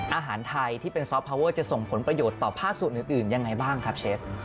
อาหารไทยที่เป็นซอฟพาวเวอร์จะส่งผลประโยชน์ต่อภาคส่วนอื่นยังไงบ้างครับเชฟ